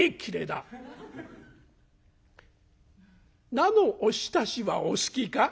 「菜のおひたしはお好きか？」。